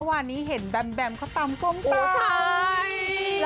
วันนี้เห็นแบมแบมเขาตามกงตายโอ้ใช่